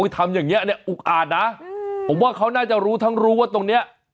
ทำอย่างนี้เนี่ยอุกอาจนะผมว่าเขาน่าจะรู้ทั้งรู้ว่าตรงนี้